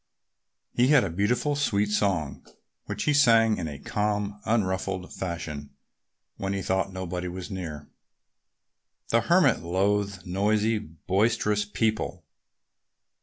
He had a beautiful, sweet song, which he sang in a calm, unruffled fashion when he thought nobody was near. The Hermit loathed noisy, boisterous people.